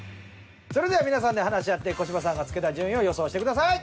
それでは皆さんで話し合って小芝さんが付けた順位を予想してください。